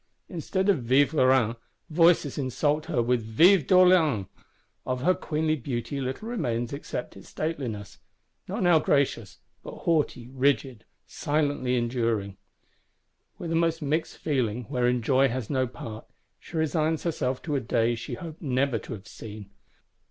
Instead of Vive la Reine, voices insult her with Vive d'Orléans. Of her queenly beauty little remains except its stateliness; not now gracious, but haughty, rigid, silently enduring. With a most mixed feeling, wherein joy has no part, she resigns herself to a day she hoped never to have seen.